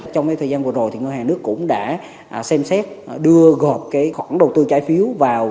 trong thời gian vừa rồi thì ngân hàng nước cũng đã xem xét đưa gọt cái khoản đầu tư trái phiếu vào